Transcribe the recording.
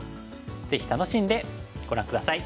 ぜひ楽しんでご覧下さい。